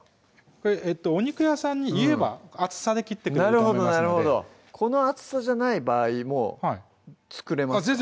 これお肉屋さんに言えば厚さで切ってくれると思いますのでこの厚さじゃない場合も作れますか？